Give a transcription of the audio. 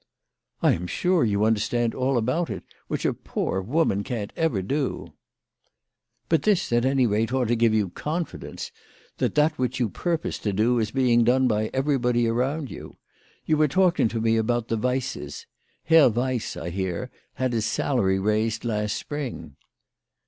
" I am sure you understand all about it, which a poor woman can't ever do." " But this at any rate ought to give you confidence, that that which you purpose to do is being done by everybody around you. You were talking to me about the Weisses. Herr "Weiss, I hear, had his salary raised last spring."